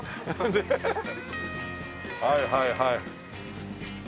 はいはいはい。